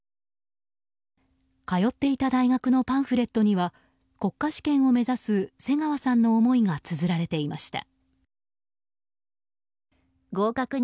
通っていた大学のパンフレットには国家試験を目指す瀬川さんの思いがつづられていました。